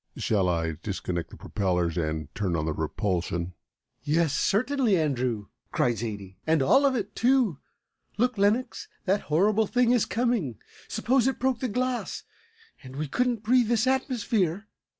Shall I disconnect the propellers and turn on the repulsion?" "Yes, certainly, Andrew!" cried Zaidie, "and all of it, too. Look, Lenox, that horrible thing is coming. Suppose it broke the glass, and we couldn't breathe this atmosphere!"